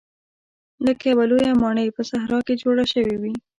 لکه یوه لویه ماڼۍ په صحرا کې جوړه شوې وي.